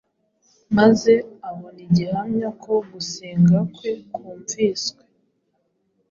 Maze abona igihamya ko gusenga kwe kumviswe.